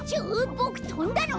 ボクとんだの？